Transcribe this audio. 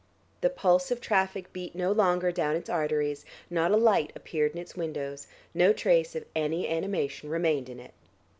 The pulse of traffic beat no longer down its arteries, not a light appeared in its windows, no trace of any animation remained in it.